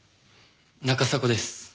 中迫です。